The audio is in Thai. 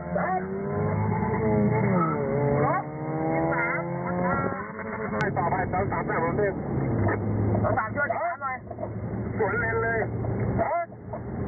เริ่มจนมีรถ๕ท้าย๑๐หลาย